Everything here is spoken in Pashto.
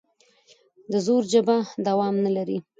د زور ژبه دوام نه لري